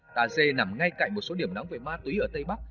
tà dê nằm ngay cạnh một số điểm nóng về ma túy ở tây bắc